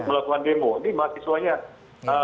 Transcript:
melakukan demo ini mahasiswanya